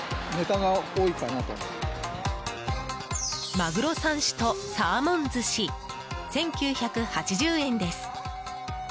まぐろ３種とサーモン寿司１９８０円です。